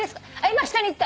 今下にいった。